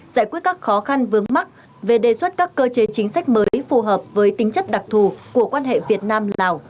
giải quyết các khó khăn vướng mắt về đề xuất các cơ chế chính sách mới phù hợp với tính chất đặc thù của quan hệ việt nam lào